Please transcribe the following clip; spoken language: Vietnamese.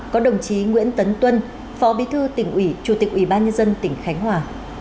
có đồng chí nguyễn tấn tuân phó bí thư tỉnh ủy chủ tịch ủy ban nhân dân tỉnh khánh hòa